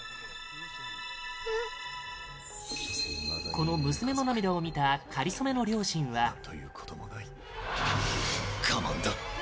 この娘の涙を見たかりそめの両親はロイド：我慢だ。